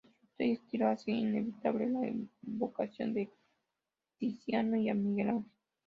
Su estructura y estilo hace inevitable la evocación a Tiziano y a Miguel Ángel.